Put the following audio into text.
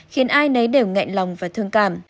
khiến ai nấy đều ngại lòng và thương cảm